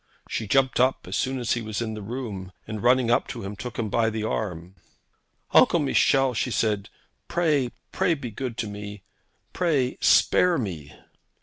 She jumped up as soon as he was in the room, and running up to him, took him by the arm. 'Uncle Michel,' she said, 'pray, pray be good to me. Pray, spare me!'